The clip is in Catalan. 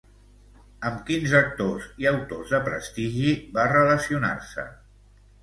Amb quins actors i autors de prestigi va relacionar-se?